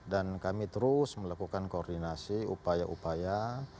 dan kami terus melakukan koordinasi upaya upaya